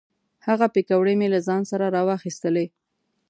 هغه پیکورې مې له ځان سره را واخیستلې.